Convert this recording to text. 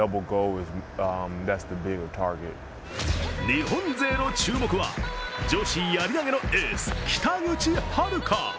日本勢の注目は女子やり投げのエース・北口榛花。